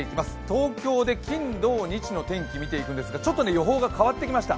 東京で金土日の天気を見ていくんですがちょっと予報が変わってきました。